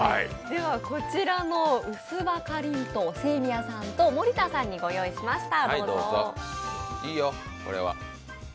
こちらのうす葉かりんとう清宮さんと森田さんにご用意しました。